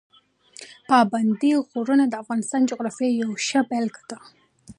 پابندي غرونه د افغانستان د جغرافیې یوه ښه بېلګه ده.